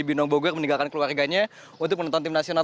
di binnong bogor meninggalkan keluarganya untuk menonton tim nasional